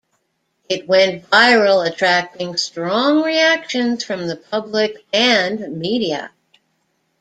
It went viral attracting strong reactions from the public and media.